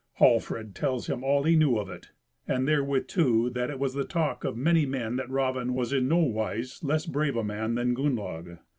Hallfred tells him all he knew of it, and therewith, too, that it was the talk of many men that Raven was in nowise less brave a man than Gunnlaug.